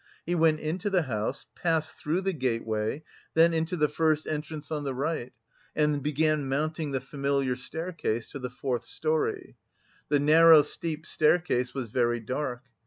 He went into the house, passed through the gateway, then into the first entrance on the right, and began mounting the familiar staircase to the fourth storey. The narrow, steep staircase was very dark.